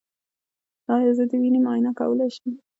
ایا زه د وینې معاینه کولی شم؟